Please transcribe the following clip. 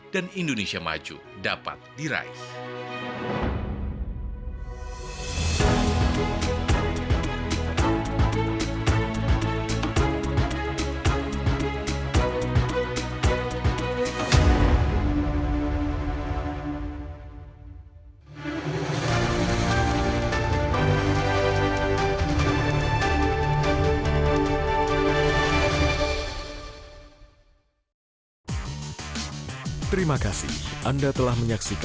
dan indonesia maju dapat diraih